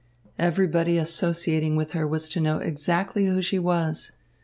Everybody associating with her was to know exactly who she was.